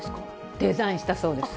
デザインしたそうです。